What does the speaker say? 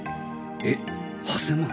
えっ８０００万！？